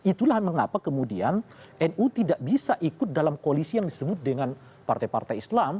itulah mengapa kemudian nu tidak bisa ikut dalam koalisi yang disebut dengan partai partai islam